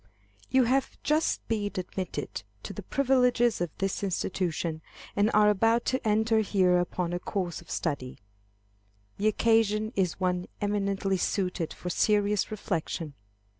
_ You have just been admitted to the privileges of this institution, and are about to enter here upon a course of study. The occasion is one eminently suited for serious reflection.